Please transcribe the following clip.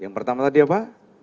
yang pertama tadi apa